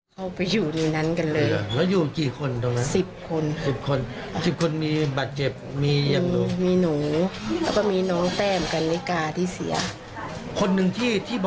เลยแค่แขนคะมันไม่มีทครับผมเจ็บหน่อยเดียวครับ